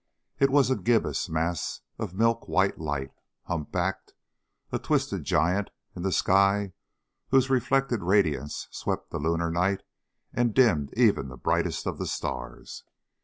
It was a gibbous mass of milk white light, humpbacked, a twisted giant in the sky whose reflected radiance swept the lunar night and dimmed even the brightest of the stars.